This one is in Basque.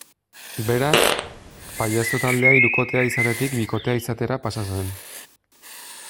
Beraz, pailazo taldea hirukotea izatetik bikotea izatera pasa zen.